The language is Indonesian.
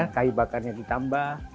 kayu bakarnya ditambah